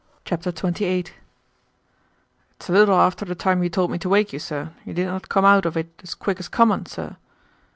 Chapter 28 "It's a little after the time you told me to wake you, sir. You did not come out of it as quick as common, sir."